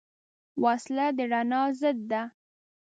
وسله د رڼا ضد ده